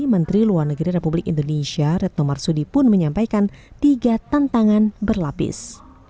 menteri luar negeri republik indonesia retno marsudi pun menyampaikan tiga tantangan berlapis